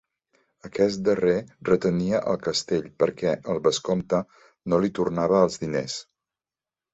Aquest darrer retenia el castell perquè el vescomte no li tornava els diners.